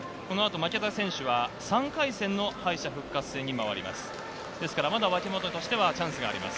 負けた選手は３回戦の敗者復活戦に回ります。